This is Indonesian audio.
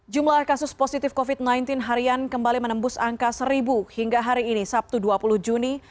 jumlah kasus positif covid sembilan belas harian kembali menembus angka seribu hingga hari ini sabtu dua puluh juni